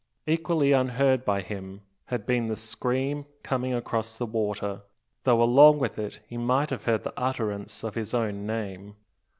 Equally unheard by him had been the scream coming across the water, though along with it he might have heard the utterance of his own name!